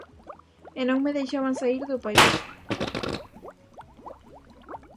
E non me deixaban saír do país.